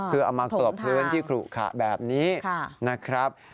คือเอามากลบพื้นที่ขลุขะแบบนี้นะครับ